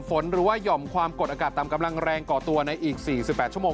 หรือว่าหย่อมความกดอากาศต่ำกำลังแรงก่อตัวในอีก๔๘ชั่วโมง